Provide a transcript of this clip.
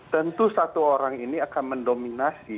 tentu satu orang ini akan mendominasi